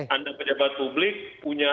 anda pejabat publik punya